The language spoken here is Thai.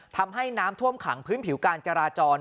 ทำให้น้ำท่วมขังพื้นผิวการจราจร